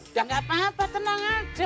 ya nggak apa apa tenang aja